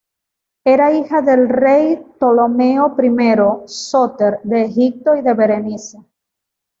Era hija del rey Ptolomeo I Sóter de Egipto y de Berenice.